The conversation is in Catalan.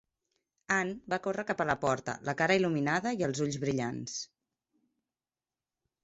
Ann va córrer cap a la porta, la cara il·luminada i els ulls brillants.